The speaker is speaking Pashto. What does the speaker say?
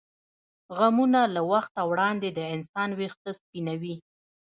غمونه له وخته وړاندې د انسان وېښته سپینوي.